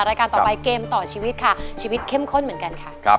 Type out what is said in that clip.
รายการต่อไปเกมต่อชีวิตค่ะชีวิตเข้มข้นเหมือนกันค่ะ